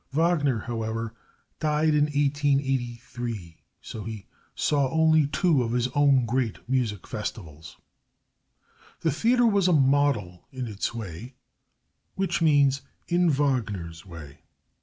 Wagner, however, died in 1883, so he saw only two of his own great music festivals. The theater was a model in its way which means in Wagner's way.